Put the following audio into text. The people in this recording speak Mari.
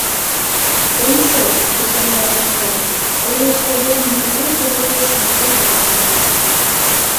Ончо, Эчанват еҥгай, тый окса йоммо нерген кызытеш мутым ит лук.